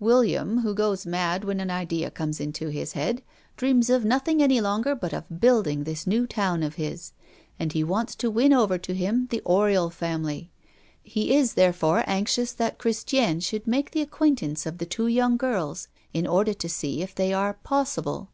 William, who goes mad when an idea comes into his head, dreams of nothing any longer but of building this new town of his, and he wants to win over to him the Oriol family. He is, therefore, anxious that Christiane should make the acquaintance of the two young girls, in order to see if they are 'possible.'